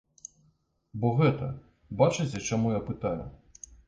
Бо гэта, бачыце, чаму я пытаю?